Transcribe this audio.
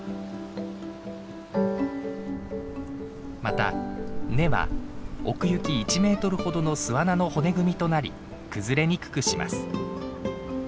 また根は奥行き１メートルほどの巣穴の骨組みとなり崩れにくくします。